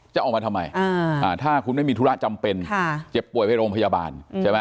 จะออกมาทำไมถ้าคุณไม่มีธุระจำเป็นเจ็บป่วยไปโรงพยาบาลใช่ไหม